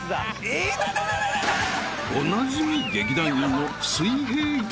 ［おなじみ劇団員の］